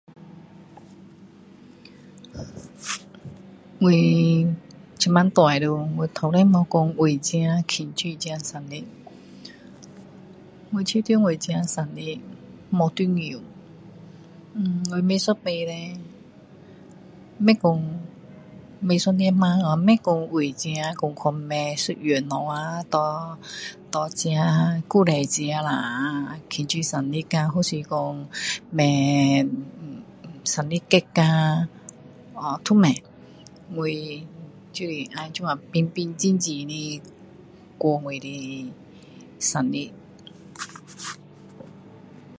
我这么大了我从来没有说自己为自己庆祝生日我觉得我自己生日不重要呃我每一次叻不会说每一年不会说为自己去买一样东西给自己鼓励自己下啊庆祝生日啊或是说买生日cake啊都不会我就是这样平平静静的过我的生日